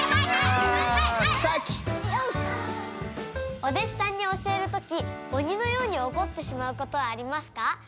お弟子さんに教える時鬼のように怒ってしまうことありますか？